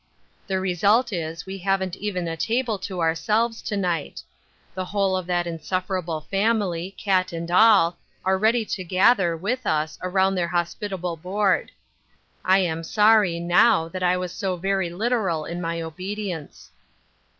The result is we haven't even a table to ourselves, to night. The whole of that insufferable family, cat and all, are ready to gather, with us, around their hospitable board. I am sorry, now, that I was so very lit *^ral in my obedience."